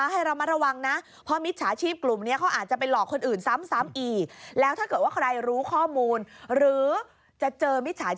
คุณจงให้พี่ติดต่อได้ไหมฮะไม่ได้เลยไม่ได้นะคะปิดปิดเครื่องไปแล้ว